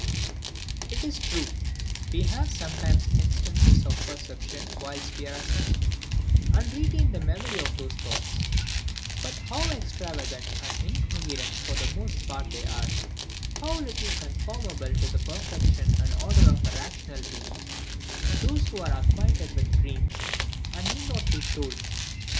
It is true, we have sometimes instances of perception whilst we are asleep, and retain the memory of those thoughts: but how extravagant and incoherent for the most part they are; how little conformable to the perfection and order of a rational being, those who are acquainted with dreams need not be told.